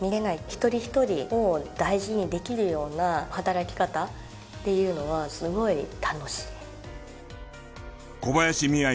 一人一人を大事にできるような働き方っていうのはすごい楽しい。